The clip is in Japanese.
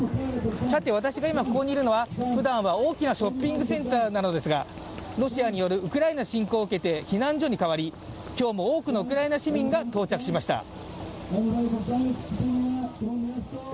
さて私が今ここにいるのはふだんは大きなショッピングセンターなのですが、ロシアによるウクライナ侵攻を受けて避難所に変わり今日も多くのウクライナ市民が到着しました。